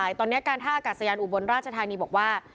ใช่ตอนนี้การท่าอากาศยานอุบลราชธานีบอกว่า